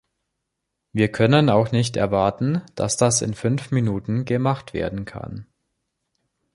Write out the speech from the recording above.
Wir können auch nicht erwarten, dass das in fünf Minuten gemacht werden kann.